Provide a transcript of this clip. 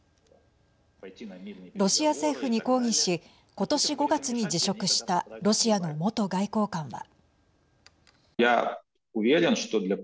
ロシア政府に抗議し今年５月に辞職したロシアの元外交官は。